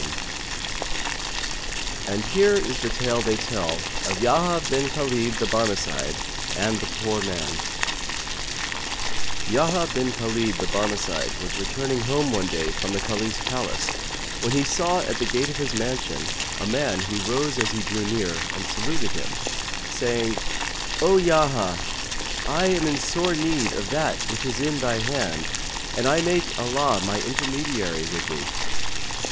"[FN#131] And here is the tale they tell of YAHYA BIN KHALID THE BARMECIDE AND THE POOR MAN Yahya bin Khαlid the Barmecide was returning home, one day, from the Caliph's palace, when he saw, at the gate of his mansion, a man who rose as he drew near and saluted him, saying, "O Yahya, I am in sore need of that which is in they hand, and I make Allah my intermediary with thee."